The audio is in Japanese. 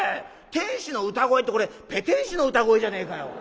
天使の歌声ってこれペテン師の歌声じゃねえかよ。